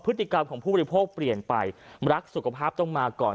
พฤติกรรมของผู้บริโภคเปลี่ยนไปรักสุขภาพต้องมาก่อน